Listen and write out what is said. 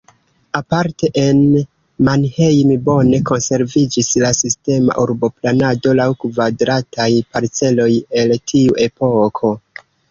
Aparte en Mannheim bone konserviĝis la sistema urboplanado laŭ kvadrataj parceloj el tiu epoko.